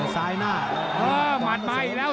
ซ้ายหน้าเออหมัดมาอีกแล้ว